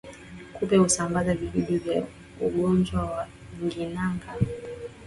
Kupe husamabaza vijidudu vya ugonjwa wa ndigana baridi kwa mnyama mwingine wakati wa kula